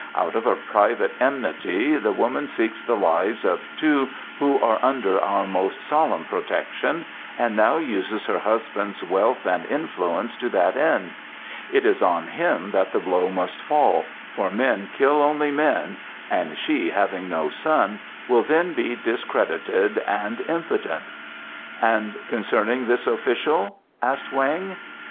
Out of a private enmity the woman seeks the lives of two who are under our most solemn protection, and now uses her husband's wealth and influence to that end. It is on him that the blow must fall, for men kill only men, and she, having no son, will then be discredited and impotent." "And concerning this official?" asked Weng.